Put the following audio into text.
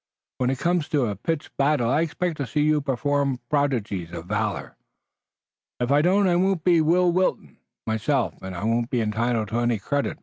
When it comes to a pitched battle I expect to see you perform prodigies of valor." "If I do it won't be Will Wilton, myself, and I won't be entitled to any credit.